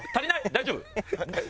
大丈夫？